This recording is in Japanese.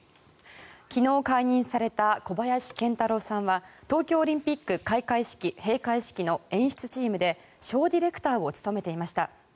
昨日、解任された小林賢太郎さんは東京オリンピック開会式・閉会式の演出チームでショーディレクターを務めていました。